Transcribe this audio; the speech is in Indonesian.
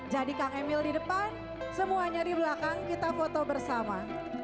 jadi kang emil di depan semuanya di belakang kita foto bersama